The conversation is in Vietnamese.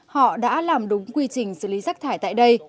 họ đã làm đúng quy trình xử lý rác thải tại đây